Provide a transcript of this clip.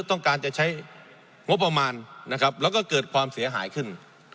ต้องการจะใช้งบประมาณนะครับแล้วก็เกิดความเสียหายขึ้น